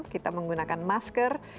kita menggunakan masker